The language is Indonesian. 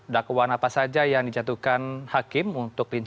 selamat siang heranov